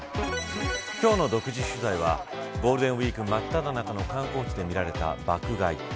今日の独自取材はゴールデンウイーク真っただ中の観光地で見られた爆買い。